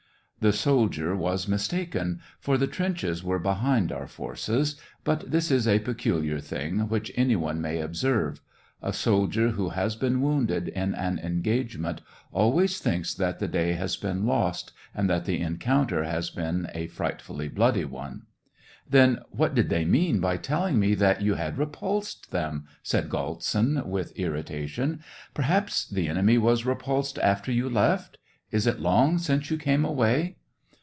The soldier was mistaken, for the trenches were behind our forces ; but this is a peculiar thing, which any one may observe : a soldier who has been wounded in an engagement always thinks that the day has been lost, and that the encounter has been a frightfully bloody one. *' Then, what did they mean by telling me that you had repulsed them?" said Galtsin, with irrita tion. "Perhaps the enemy was repulsed after you left ? Is it long since you came away